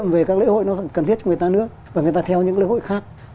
và người ta theo những lễ hội khác